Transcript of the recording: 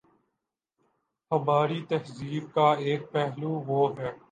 ہماری تہذیب کا ایک پہلو وہ ہے۔